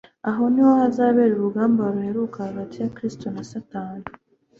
Aho niho hazabera urugamba ruheruka hagati ya Kristo na Satani.